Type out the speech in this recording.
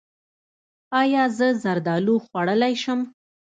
ایا زه زردالو خوړلی شم؟